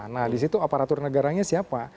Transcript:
nah di situ aparatur negaranya siapa